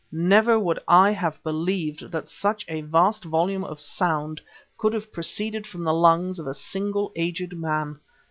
Never would I have believed that such a vast volume of sound could have proceeded from the lungs of a single aged man.